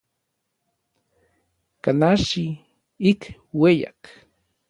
Kanachi ik ueyak.